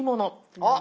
あっ。